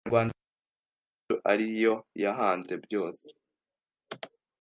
Abanyarwanda bazi ko Yesu ari yo yahanze byose: